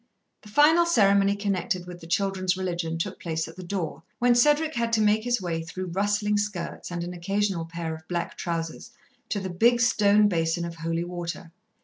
The final ceremony connected with the children's religion took place at the door, when Cedric had to make his way through rustling skirts and an occasional pair of black trousers to the big stone basin of holy water.